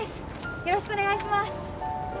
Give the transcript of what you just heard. よろしくお願いします